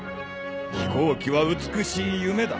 飛行機は美しい夢だ